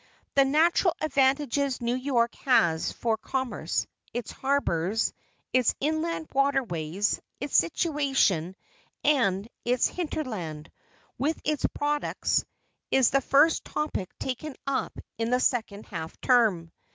The natural advantages New York has for commerce, its harbors, its inland water ways, its situation, and its hinterland, with its products, is the first topic taken up in the second half term.